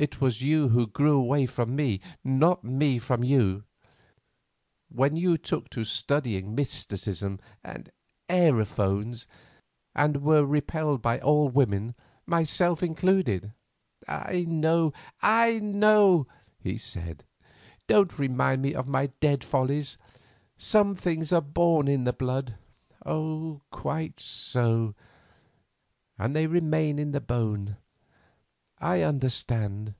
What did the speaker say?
It was you who grew away from me, not me from you, when you took to studying mysticism and aerophones, and were repelled by all women, myself included." "I know, I know," he said. "Don't remind me of my dead follies. Some things are born in the blood." "Quite so, and they remain in the bone. I understand.